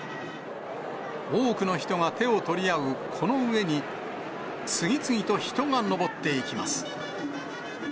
多くの人が手を取り合うこの上に、次々と人が登っていきます。